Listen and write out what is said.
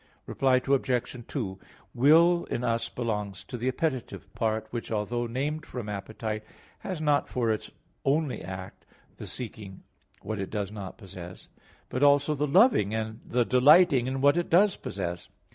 Reply Obj. 2: Will in us belongs to the appetitive part, which, although named from appetite, has not for its only act the seeking what it does not possess; but also the loving and the delighting in what it does possess.